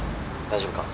大丈夫か？